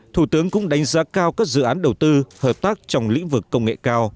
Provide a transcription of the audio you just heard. thủ tướng cũng đánh giá cao các dự án đầu tư hợp tác trong lĩnh vực công nghệ cao